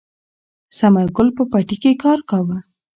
ثمر ګل په پټي کې کار کاوه.